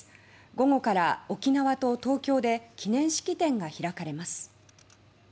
午後から沖縄と東京で記念式典が開かれます。